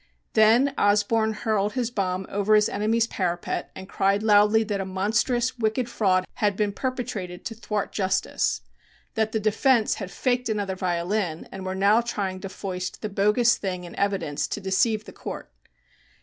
Then Osborne hurled his bomb over his enemy's parapet and cried loudly that a monstrous wicked fraud had been perpetrated to thwart Justice that the defense had "faked" another violin and were now trying to foist the bogus thing in evidence to deceive the Court.